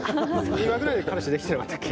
２話ぐらいで彼氏できてなかったっけ？